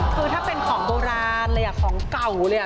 คือถ้าเป็นของโบราณเลยอ่ะของเก่าเลย